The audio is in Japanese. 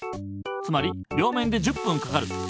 つまり両面で１０ぷんかかる。